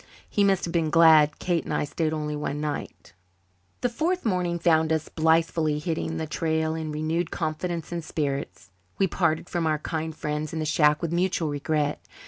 He must have been glad Kate and I stayed only one night. The fourth morning found us blithely hitting the trail in renewed confidence and spirits. We parted from our kind friends in the shack with mutual regret.